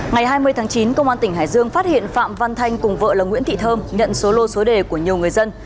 ngày hai mươi tháng chín công an tỉnh hải dương phát hiện phạm văn thanh cùng vợ là nguyễn thị thơm nhận số lô số đề của nhiều người dân